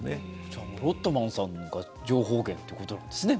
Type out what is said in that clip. じゃあロッドマンさんが情報源ということなんですね